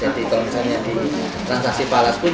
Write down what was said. jadi kalau misalnya di transaksi palas pun